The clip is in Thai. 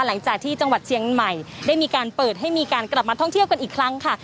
หลังจากที่จังหวัดเชียงใหม่ได้มีการเปิดให้มีการกลับมาท่องเที่ยวกันอีกครั้งค่ะ